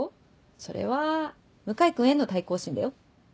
それは向井君への対抗心だよ。